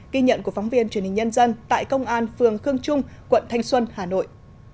ghi nhận của phóng viên truyền hình nhân dân tại công an phường khương trung quận thanh xuân hà nội